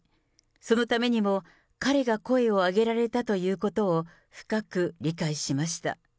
そのためにも、彼が声を上げられたということを深く理解しました。